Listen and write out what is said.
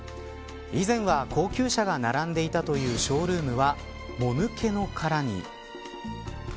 以前は、高級車が並んでいたというショールームはもぬけの殻に。